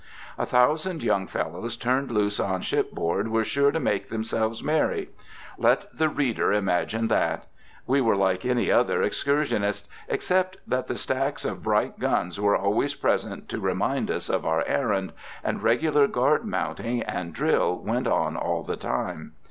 A thousand young fellows turned loose on shipboard were sure to make themselves merry. Let the reader imagine that! We were like any other excursionists, except that the stacks of bright guns were always present to remind us of our errand, and regular guard mounting and drill went on all the time.